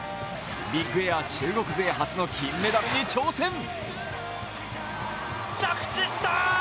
ビッグエア中国勢初の金メダルに挑戦。